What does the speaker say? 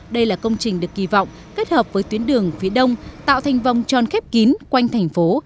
đây là công trình được kỳ vọng kết hợp với tuyến đường phía đông tạo thành vòng tròn khép kín quanh thành phố